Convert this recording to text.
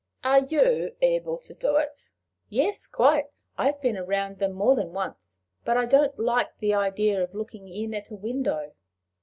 "Are you able to do it?" "Yes, quite. I have been round them more than once. But I don't like the idea of looking in at a window."